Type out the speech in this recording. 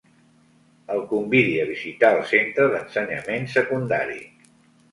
El convidi a visitar el centre d'ensenyament secundari.